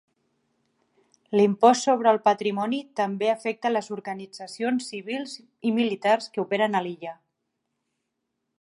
L'impost sobre el patrimoni també afecta les organitzacions civils i militars que operen a l'illa.